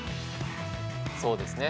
そうですね。